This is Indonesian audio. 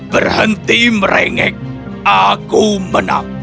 berhenti merengek aku menang